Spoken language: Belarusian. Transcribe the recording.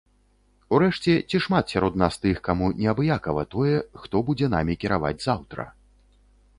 Урэшце ці шмат сярод нас тых, каму неабыякава тое, хто будзе намі кіраваць заўтра?